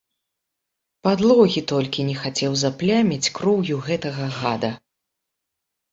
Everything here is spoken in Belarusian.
Падлогі толькі не хацеў запляміць кроўю гэтага гада!